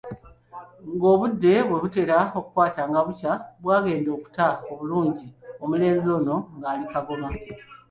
Ng’obudde bwe butera okukwata nga bukya, bw’agenda okuta obulungi omulenzi ono ng’ali Kagoma.